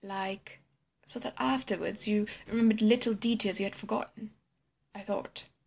"Like—?" "So that afterwards you remembered little details you had forgotten." I thought.